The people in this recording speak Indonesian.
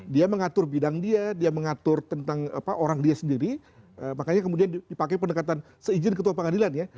dia mengatur bidang dia dia mengatur tentang orang dia sendiri makanya kemudian dipakai pendekatan seizin ketua pengadilan ya